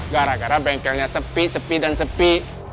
gara gara bengkelnya sepi sepi dan sepi